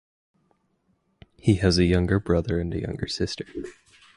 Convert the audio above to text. He has a younger brother and a younger sister.